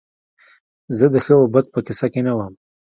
زه د ښه او بد په کیسه کې نه وم